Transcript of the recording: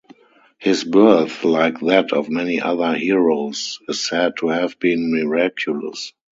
His birth, like that of many other heroes, is said to have been miraculous.